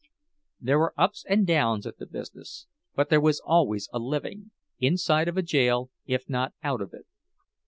There were ups and downs at the business; but there was always a living, inside of a jail, if not out of it.